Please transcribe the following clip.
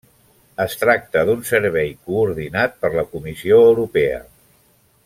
Es tracta d'un servei coordinat per la Comissió Europea.